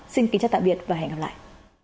xin kính chào tạm biệt và hẹn gặp lại